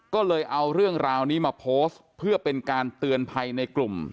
ก็เลยเอาเรื่องราวนี้มาโพสต์เพื่อเป็นการเตือนภัยในกลุ่ม